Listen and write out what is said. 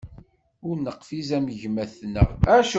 Ur neqfiz am gma-tneɣ.